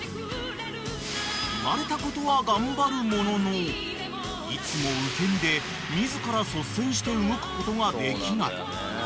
［言われたことは頑張るもののいつも受け身で自ら率先して動くことができない］